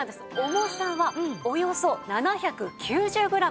重さはおよそ７９０グラム。